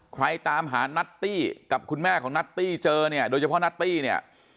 ตามหานัตตี้กับคุณแม่ของนัตตี้เจอเนี่ยโดยเฉพาะนัตตี้เนี่ย